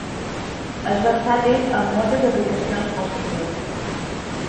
És versàtil amb moltes aplicacions possibles.